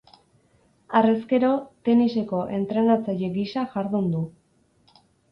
Harrezkero, teniseko entrenatzaile gisa jardun du.